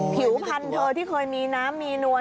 ผิวพันธุ์ที่เคยมีน้ำมีนวล